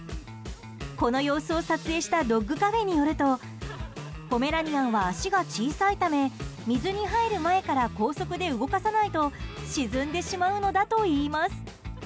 この様子を撮影したドッグカフェによるとポメラニアンは足が小さいため水に入る前から高速で動かさないと沈んでしまうのだといいます。